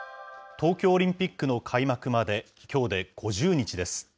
東京オリンピックの開幕まで、きょうで５０日です。